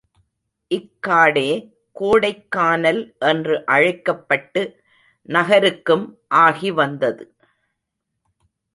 இக்காடே கோடைக்கானல் என்று அழைக்கப்பட்டு, நகருக்கும் ஆகி வந்தது.